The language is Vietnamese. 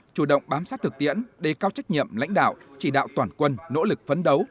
chủ động bám sát thực tiễn đề cao trách nhiệm lãnh đạo chỉ đạo toàn quân nỗ lực phấn đấu